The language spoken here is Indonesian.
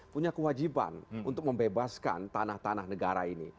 punya kewajiban untuk membebaskan tanah tanah negara ini